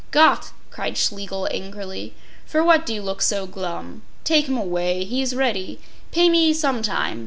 “Gott!” cried Schlegel, angrily. “For what do you look so glum? Take him away. He is ready. Pay me some time.